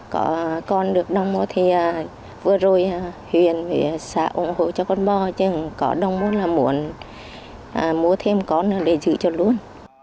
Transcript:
có con được đồng mua thì vừa rồi huyện xã ủng hộ cho con bò chứ có đồng mua là muốn mua thêm con để giữ cho luôn